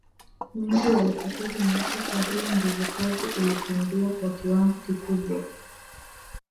Wengi walipoteza maisha kwa hiyo nguvukazi ilipungua kwa kiwango kikubwa